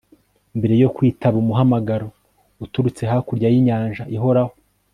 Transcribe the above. mbere yo kwitaba umuhamagaro uturutse hakurya y'inyanja ihoraho